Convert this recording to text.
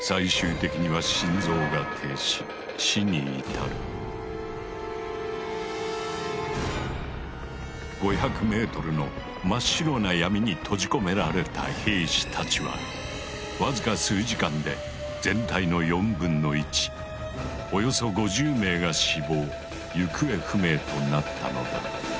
すると最終的には５００ｍの真っ白な闇に閉じ込められた兵士たちはわずか数時間で全体の４分の１およそ５０名が死亡行方不明となったのだ。